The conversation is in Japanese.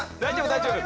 大丈夫。